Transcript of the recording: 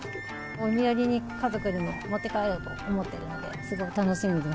お土産に家族にも持って帰ろうと思っているので、すごい楽しみです。